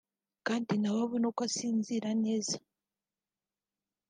kandi nawe abone uko asinzira neza